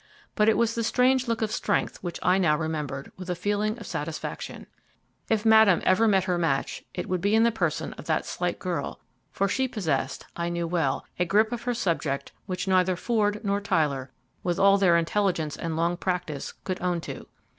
But it was the strange look of strength which I now remembered with a feeling of satisfaction. If Madame ever met her match, it would be in the person of that slight girl, for she possessed, I knew well, a grip of her subject which neither Ford nor Tyler, with all their intelligence and long practice, could own to.